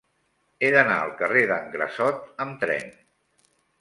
He d'anar al carrer d'en Grassot amb tren.